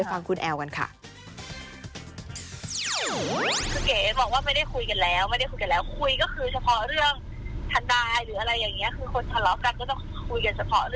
ฟังคุณแอลกันค่ะ